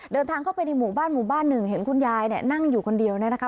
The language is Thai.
เดินทางเข้าไปในหมู่บ้านหมู่บ้านหนึ่งเห็นคุณยายเนี่ยนั่งอยู่คนเดียวเนี่ยนะคะ